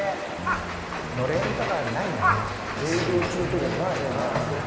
「営業中」とかもないですね。